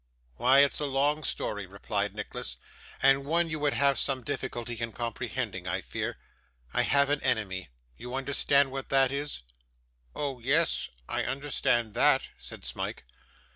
'Why, it is a long story,' replied Nicholas, 'and one you would have some difficulty in comprehending, I fear. I have an enemy you understand what that is?' 'Oh, yes, I understand that,' said Smike.